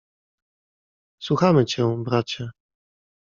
"Słuchamy cię, bracie."